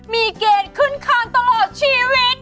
มีเกณฑ์ขึ้นคานตลอดชีวิต